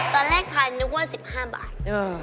ตอนแรกทานนึกว่า๑๕บาท